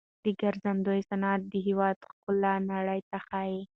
د ګرځندوی صنعت د هیواد ښکلا نړۍ ته ښيي.